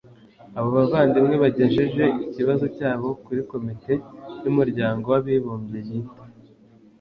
Abo bavandimwe bagejeje ikibazo cyabo kuri Komite y Umuryango w Abibumbye Yita